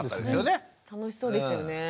楽しそうでしたよね。